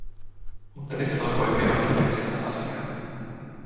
Mutta nyt alkoi Kenonen järjestellä asiaa.